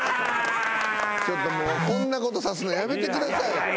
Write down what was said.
ちょっともうこんなことさすのやめてください。